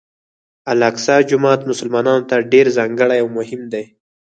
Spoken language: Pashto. الاقصی جومات مسلمانانو ته ډېر ځانګړی او مهم دی.